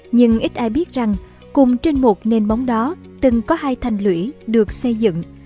nhưng ít ai biết rằng cùng trên một nền bóng đó từng có hai thành lũy được xây dựng